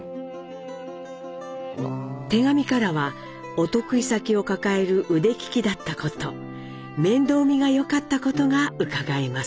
手紙からはお得意先を抱える腕利きだったこと面倒見がよかったことがうかがえます。